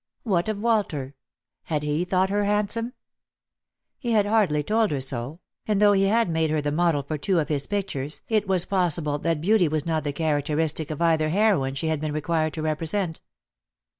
What of Walter? Had he thought her iandsome ? He had hardly told her so ! and though he had made her the model for two of his pictures, it was possible that beauty was not the characteristic cf either heroine she had been required to represent.